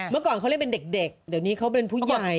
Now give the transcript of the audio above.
เมื่อก่อนเขาเล่นเป็นเด็กเดี๋ยวนี้เขาเป็นผู้ใหญ่